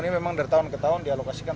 diterima dari tahun ke tahun dialokasikan